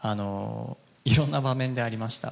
いろんな場面でありました。